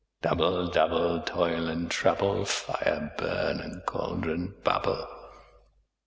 ALL Double, double toil and trouble; Fire burn and cauldron bubble.